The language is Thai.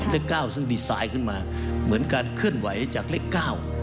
เลขเก้าซึ่งดีไซน์ขึ้นมาเหมือนการเคลื่อนไหวจากเลขเก้า